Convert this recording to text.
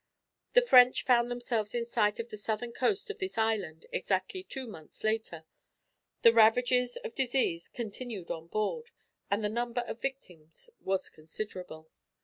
The French found themselves in sight of the southern coast of this island exactly two months later; the ravages of disease continued on board, and the number of victims was considerable.